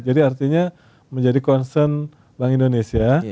jadi artinya menjadi concern bank indonesia